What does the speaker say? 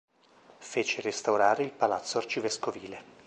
Fece restaurare il Palazzo Arcivescovile.